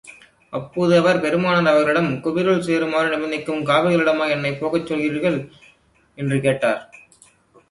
அப்பொழுது அவர் பெருமானார் அவர்களிடம், குபிரில் சேருமாறு நிர்ப்பந்திக்கும் காபிர்களிடமா, என்னைப் போகச் சொல்லுகிறீர்கள்? என்று கேட்டார்.